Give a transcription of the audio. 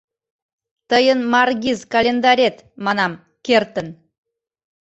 — Тыйын Маргиз календарет, манам, кертын.